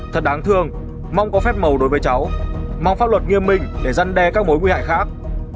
thật đáng thương mong có phép màu đối với cháu mong pháp luật nghiêm minh để giăn đe các mối nguy hại khác